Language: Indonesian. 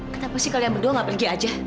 kenapa sih kalian berdua gak pergi aja